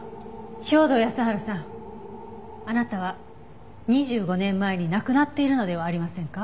兵働耕春さんあなたは２５年前に亡くなっているのではありませんか？